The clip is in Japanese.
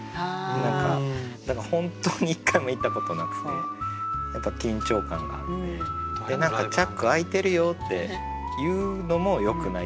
何か本当に１回も行ったことなくてやっぱり緊張感があって何かチャック開いてるよって言うのもよくないっていうか。